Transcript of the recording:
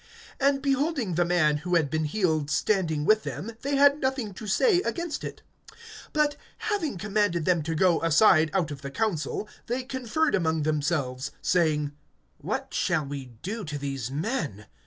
(14)And beholding the man who had been healed standing with them, they had nothing to say against it. (15)But having commanded them to go aside out of the council, they conferred among themselves, (16)saying: What shall we do to these men?